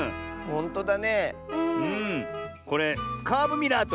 ほんとだ。